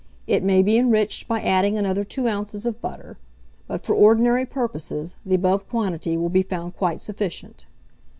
It may be enriched by adding another 2 oz. of butter; but, for ordinary purposes, the above quantity will be found quite sufficient.